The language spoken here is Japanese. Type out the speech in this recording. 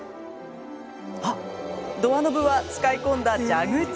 あ、ドアノブは使い込んだ蛇口。